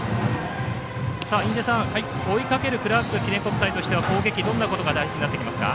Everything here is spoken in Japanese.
印出さん、追いかけるクラーク記念国際としては攻撃、どんなことが大事になってきますか。